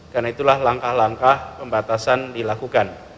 karena itulah langkah langkah pembatasan dilakukan